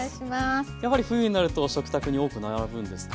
やはり冬になると食卓に多く並ぶんですか？